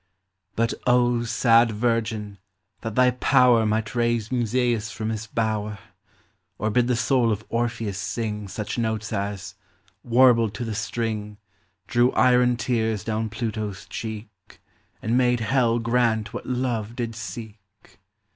But, O sad Virgin, that thy power Might raise Musseus from his bower ! Or bid the soul of Orpheus sing Such notes as, warbled to the string, Drew iron tears down Pluto's cheek, And made hell grant what love did seek